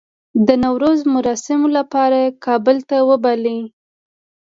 د نوروز مراسمو لپاره کابل ته وباله.